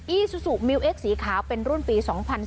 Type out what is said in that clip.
อีซูซูมิวเอ็กสีขาวเป็นรุ่นปี๒๔